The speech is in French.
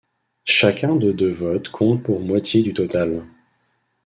Chacun de deux votes compte pour moitié du total.